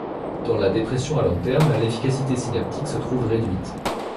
Dans la dépression à long terme l'efficacité synaptique se trouve réduite.